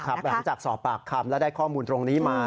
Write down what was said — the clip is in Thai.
หลังจากสอบปากคำและได้ข้อมูลตรงนี้มา